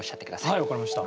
はい分かりました。